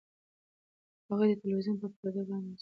هغې د تلویزیون په پرده باندې د سوات عکسونه لیدل.